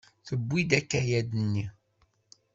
Tewwi-d akayad-nni.